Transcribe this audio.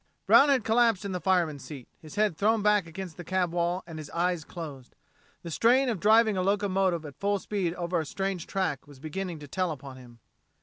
Brown had collapsed in the fireman's seat, his head thrown back against the cab wall and his eyes closed. The strain of driving a locomotive at full speed over a strange track was beginning to tell upon him.